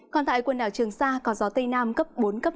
còn tại quần đảo trường sa có gió tây nam cấp bốn năm